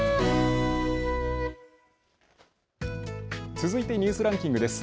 続いてニュースランキングです。